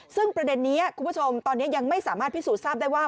ซึ่งประเด็นนี้คุณผู้ชมตอนนี้ยังไม่สามารถพิสูจน์ทราบได้ว่า